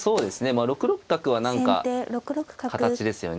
まあ６六角は何か形ですよね。